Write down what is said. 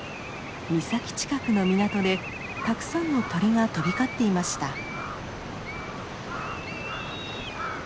岬近くの港でたくさんの鳥が飛び交っていました。